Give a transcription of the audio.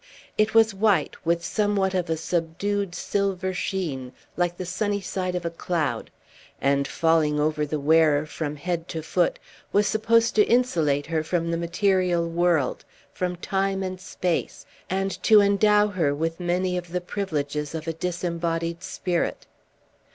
It was white, with somewhat of a subdued silver sheen, like the sunny side of a cloud; and, falling over the wearer from head to foot, was supposed to insulate her from the material world, from time and space, and to endow her with many of the privileges of a disembodied spirit.